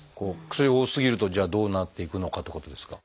薬が多すぎるとじゃあどうなっていくのかってことですが。